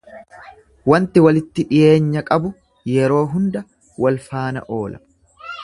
Wanti walitti dhiyeenya qabu yeroo hunda wal faana oola.